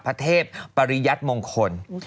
พระเทพปริยัติมงคล